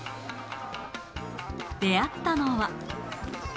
出会ったのは。